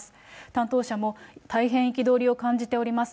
担当者も、大変憤りを感じております。